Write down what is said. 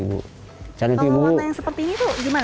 kalau kota yang seperti ini itu gimana